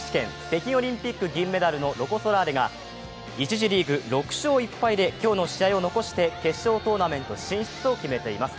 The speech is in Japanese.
北京オリンピック銀メダルのロコ・ソラーレが一次リーグ６勝１敗で今日の試合を残して決勝トーナメント進出を決めています。